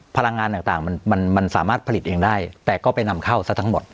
พลังงานต่างมันสามารถผลิตเองได้แต่ก็ไปนำเข้าซะทั้งหมด